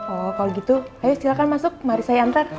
oh kalau gitu ayo silakan masuk mari saya antar